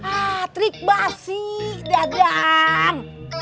ah trik basi dadam